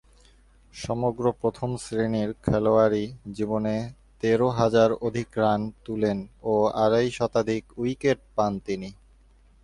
সমগ্র প্রথম-শ্রেণীর খেলোয়াড়ী জীবনে তেরো হাজারের অধিক রান তুলেন ও আড়াই শতাধিক উইকেট পান তিনি।